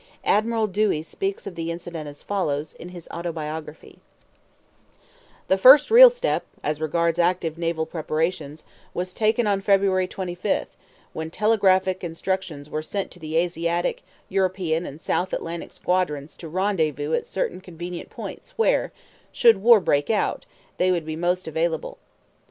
Admiral Dewey speaks of the incident as follows, in his autobiography: "The first real step [as regards active naval preparations] was taken on February 25, when telegraphic instructions were sent to the Asiatic, European, and South Atlantic squadrons to rendezvous at certain convenient points where, should war break out, they would be most available.